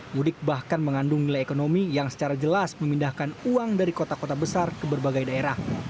mudik bahkan mengandung nilai ekonomi yang secara jelas memindahkan uang dari kota kota besar ke berbagai daerah